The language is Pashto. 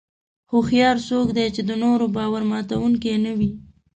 هوښیار څوک دی چې د نورو باور ماتوونکي نه وي.